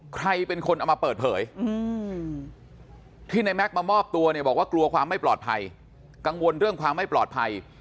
ใครเป็นคนเอามาเปิดเผยที่ในแม็กซ์มามอบตัวเนี่ยบอกว่ากลัวความไม่ปลอดภัยกังวลเรื่องความไม่ปลอดภัย